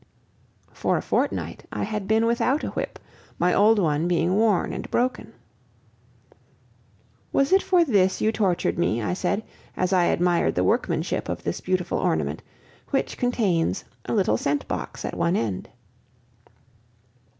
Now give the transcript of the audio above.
For a fortnight I had been without a whip, my old one being worn and broken. "Was it for this you tortured me?" I said, as I admired the workmanship of this beautiful ornament, which contains a little scent box at one end.